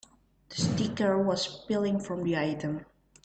The sticker was peeling from the item.